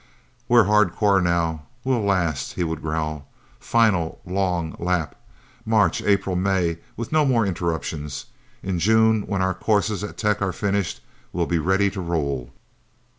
"We're hardcore, now we'll last," he would growl. "Final, long lap March, April and May with no more interruptions. In June, when our courses at Tech are finished, we'll be ready to roll..."